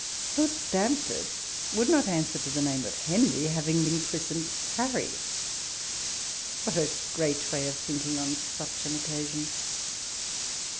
Lord Stamford would not answer to the name of Jlcnry, having been christened Harry — what a great way of thinking on such an occasion